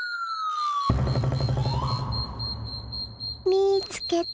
みいつけた！